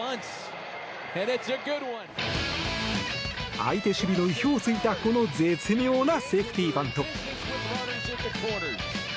相手守備の意表を突いたこの絶妙なセーフティーバント。